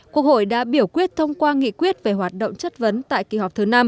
quốc hội đã biểu quyết thông qua nghị quyết về hoạt động chất vấn tại kỳ họp thứ năm